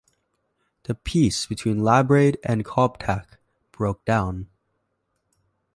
The peace between Labraid and Cobthach broke down.